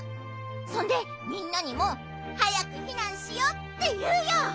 そんでみんなにもはやくひなんしようっていうよ！